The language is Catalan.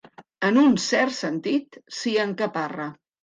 En un cert sentit, s'hi encaparra.